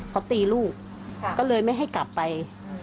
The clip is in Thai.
เขาตีลูกก็เลยไม่ให้กลับไป